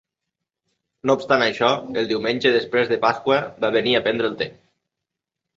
No obstant això, el diumenge després de Pasqua va venir a prendre el te.